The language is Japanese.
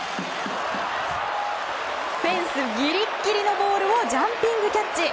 フェンスギリギリのボールをジャンピングキャッチ。